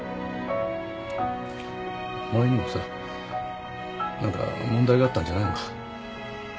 お前にもさ何か問題があったんじゃないのか。